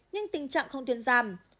nhưng tình trạng không tuyên giảm